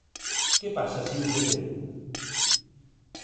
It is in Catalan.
Què passa si us detenen?